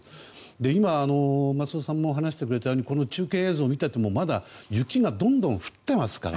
今、松尾さんも話してくれたように中継映像を見ていてもまだ雪がどんどん降っていますから。